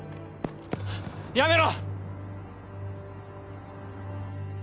やめろ！